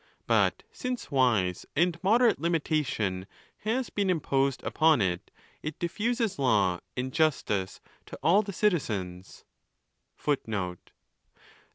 But since wise and moderate limitation has been imposed upon it, it diffuses law and justice to alt the citizens' VIII.